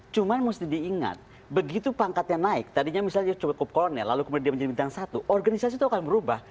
cuma mesti diingat begitu pangkatnya naik tadinya misalnya cukup kolonel lalu kemudian dia menjadi bintang satu organisasi itu akan berubah